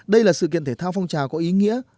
đây là sự kiện thể thao phong trào có ý nghĩa